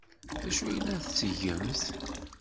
D acu ay la tettgemt?